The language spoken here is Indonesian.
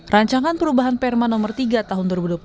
rancangan perubahan perma nomor tiga tahun dua ribu dua puluh satu